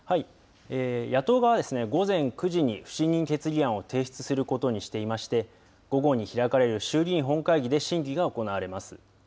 野党側は午前９時に不信任決議案を提出することにしていまして、午後に開かれる衆議院本会議で審議が行われます。